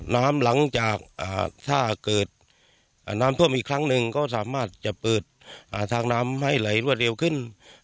น้ำหลังจากถ้าเกิดน้ำท่วมอีกครั้งหนึ่งก็สามารถจะเปิดทางน้ำให้ไหลรวดเร็วขึ้น